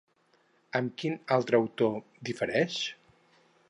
Amb quin altre autor difereix?